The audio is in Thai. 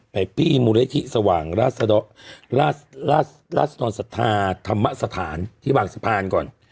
ไปปีมุเรศที่สว่างราศนสถาธรรมสถานที่บางสะพานก่อน